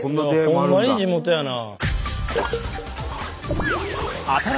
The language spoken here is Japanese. ほんまに地元やな。